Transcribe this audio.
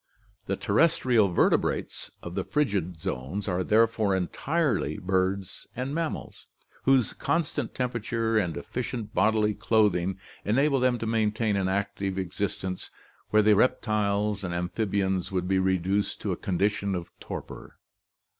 The terrestrial vertebrates of the frigid zones are therefore entirely birds and mammals, whose constant temperature and efficient bodily clothing enable them to maintain an active existence where the reptiles and amphibians would be reduced to a condition of torpor.